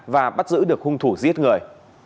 và bắt giữ được hung thủ giết người